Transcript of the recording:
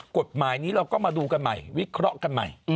กฎหมายนี้เราก็มาดูกันใหม่วิเคราะห์กันใหม่